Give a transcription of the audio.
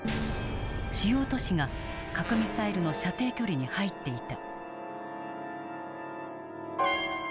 主要都市が核ミサイルの射程距離に入っていた。